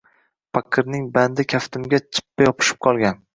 Paqirning bandi kaftimga chippa yopishib qolgan.